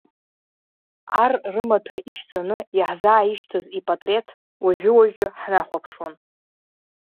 Ар рымаҭәа ишәҵаны иаҳзааишьҭыз ипатреҭ уажәы-уажәы ҳнахәаԥшуан.